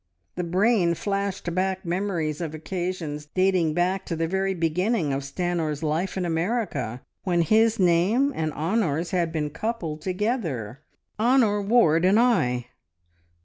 The brain flashed back memories of occasions dating back to the very beginning of Stanor's life in America, when his name and Honor's had been coupled together. "Honor Ward and I."